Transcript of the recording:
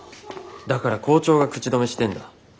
だから校長が口止めしてんだ。